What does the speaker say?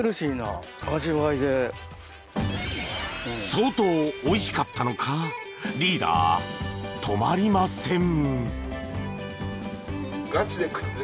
相当おいしかったのかリーダー、止まりません。